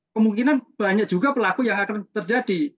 kemungkinan banyak juga pelaku yang akan terjadi